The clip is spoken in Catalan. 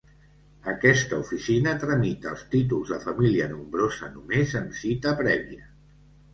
Aquesta oficina tramita els Títols de Família Nombrosa només amb cita prèvia.